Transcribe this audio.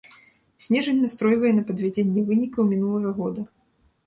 Снежань настройвае на падвядзенне вынікаў мінулага года.